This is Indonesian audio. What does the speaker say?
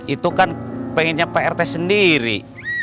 itu kan pengennya pak rt sendiri